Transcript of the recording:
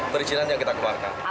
perjalanan yang kita kebuka